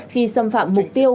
khi xâm phạm mục tiêu